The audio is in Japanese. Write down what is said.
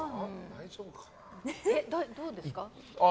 どうですか？